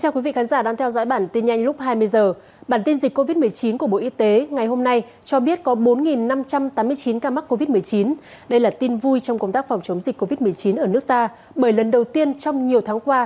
các bạn hãy đăng ký kênh để ủng hộ kênh của chúng mình nhé